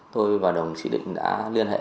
tôi và đồng sĩ định đã liên hệ